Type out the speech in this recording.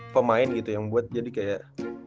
pemain gitu yang buat jadi kayak